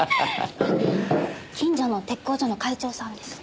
近所の鉄工所の会長さんです。